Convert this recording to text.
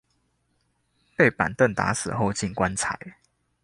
被板凳打死後進棺材